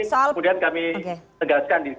kemudian kami tegaskan di